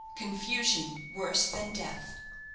"CONFUSION WORSE THAN DEATH."